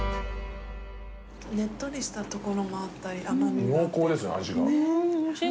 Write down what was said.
ねっとりしたところもあったり甘味があって。